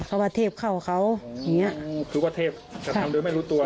เพราะว่าเทพเข้าเขาอย่างเงี้ยคือว่าเทพจะทำโดยไม่รู้ตัว